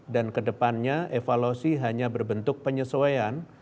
dan kedepannya evaluasi hanya berbentuk penyesuaian